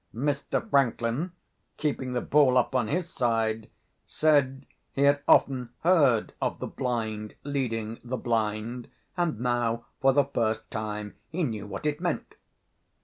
Mr. Franklin, keeping the ball up on his side, said he had often heard of the blind leading the blind, and now, for the first time, he knew what it meant.